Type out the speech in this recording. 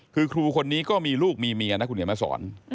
คือครูคนนี้ก็มีลูกมีเมียนะคุณเขียนมาสอน